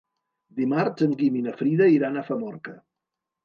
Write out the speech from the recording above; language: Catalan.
Dimarts en Guim i na Frida iran a Famorca.